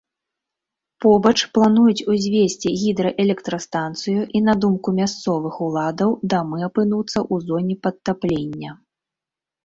Побач плануюць узвесці гідраэлектрастанцыю, і на думку мясцовых уладаў, дамы апынуцца ў зоне падтаплення.